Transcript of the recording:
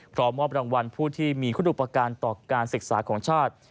พร้อมมอบรางวัลผู้ที่มีคุณอุปการณ์ต่อการศึกษาของชาติ